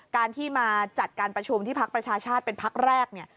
การที่มาจัดการประชุมที่พักประชาชาติเป็นพักแรกเนี่ย